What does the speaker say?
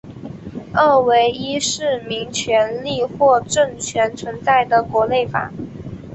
二为依市民权利或政权存在的国内法。